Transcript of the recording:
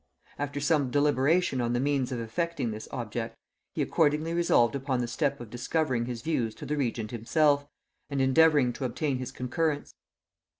After some deliberation on the means of effecting this object, he accordingly resolved upon the step of discovering his views to the regent himself, and endeavouring to obtain his concurrence.